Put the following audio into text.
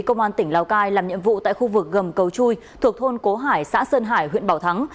công an tỉnh lào cai làm nhiệm vụ tại khu vực gầm cầu chui thuộc thôn cố hải xã sơn hải huyện bảo thắng